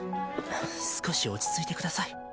少し落ち着いてください。